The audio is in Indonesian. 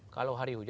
kalau hari hujan